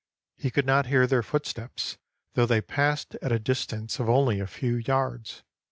He could not hear their footsteps, though they passed at a distance of only a few yards.